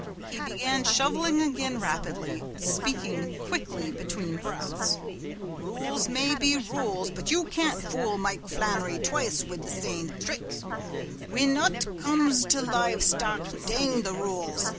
He began shoveling again rapidly, speaking quickly between breaths. "Rules may be rules, but you can't fool Mike Flannery twice wid the same thrick whin ut comes to live stock, dang the rules.